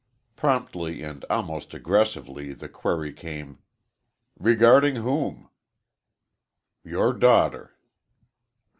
Promptly and almost aggressively the query came, "Regarding whom?" "Your daughter."